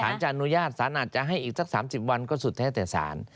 แล้วสรรจะอนุญาตสรรจะให้อีกสัก๓๐วันก็สุดแท้สรร